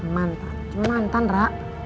mantap cuma mantan ra